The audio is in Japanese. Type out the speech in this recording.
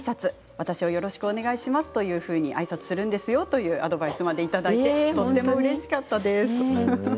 私をよろしくお願いしますというふうにあいさつするんですよというアドバイスまでいただいて本当にうれしかったです。